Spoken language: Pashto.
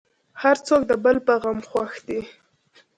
هر څوک د بل په غم خوښ دی.